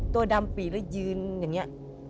ตัวดำปีกแล้วยืนอย่างนี้